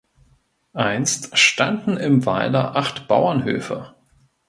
Einst standen im Weiler acht Bauernhöfe.